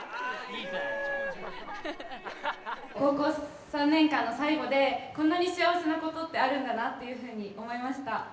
高校３年間の最後でこんなに幸せなことってあるんだなっていうふうに思いました。